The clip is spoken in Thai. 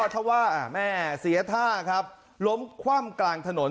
เพราะว่าแม่เสียท่าครับล้มคว่ำกลางถนน